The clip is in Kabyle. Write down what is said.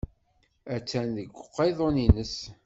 Attan deg uqiḍun-nnes.